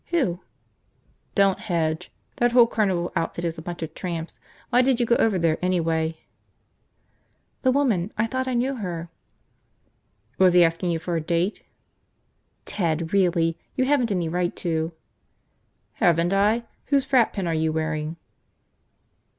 "Who?" "Don't hedge. That whole carnival outfit is a bunch of tramps! Why did you go over there, anyway?" "The woman. I thought I knew her." "Was he asking you for a date?" "Ted, really! You haven't any right to. ..." "Haven't I? Whose frat pin are you wearing?"